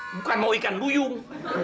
bukan mau ikan duyung